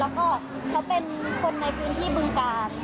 แล้วก็เขาเป็นคนในพื้นที่บึงกาศ